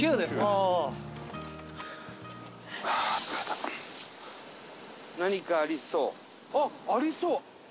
あっありそう！